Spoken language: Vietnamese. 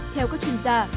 theo các chuyên gia